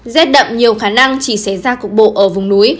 rét đậm nhiều khả năng chỉ xảy ra cục bộ ở vùng núi